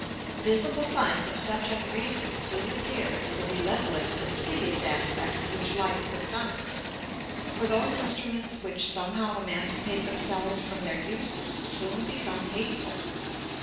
Visible signs of such unreason soon appear in the relentless and hideous aspect which life puts on; for those instruments which somehow emancipate themselves from their uses soon become hateful.